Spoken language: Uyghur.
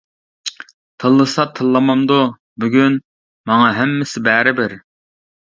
تىللىسا تىللىمامدۇ، بۈگۈن ماڭا ھەممىسى بەرىبىر.